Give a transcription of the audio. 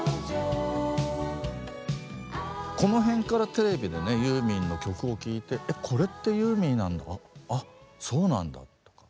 この辺からテレビでねユーミンの曲を聴いてえこれってユーミンなんだあそうなんだとか。